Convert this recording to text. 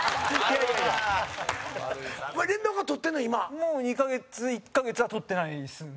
もう２カ月、１カ月は取ってないですね。